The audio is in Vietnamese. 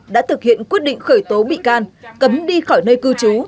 đã thực hiện quyết định khởi tố bị can cấm đi khỏi nơi cư trú